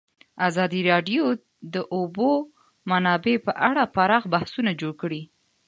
ازادي راډیو د د اوبو منابع په اړه پراخ بحثونه جوړ کړي.